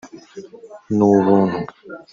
n’ubuntu